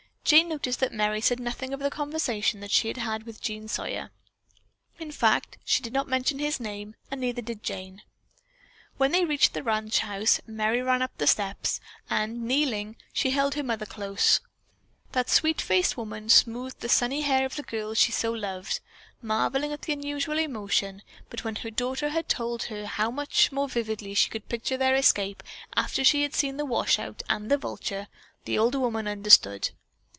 Jane noticed that Merry said nothing of the conversation that she had had with Jean Sawyer; in fact, she did not mention his name and neither did Jane. When they reached the ranch house Merry ran up the steps, and kneeling, she held her mother close. That sweet faced woman smoothed the sunny hair of the girl she so loved, marveling at the unusual emotion, but when her daughter told her how much more vividly she could picture their escape, after she had seen the washout, and the vulture, the older woman understood.